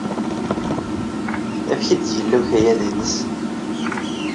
Amek ay d-yella ukayad-nnek?